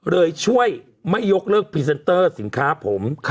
เลยช่วยไม่ยกเลิกพรีเซนเตอร์สินค้าผม